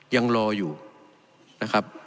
ยังรออยู่นะครับ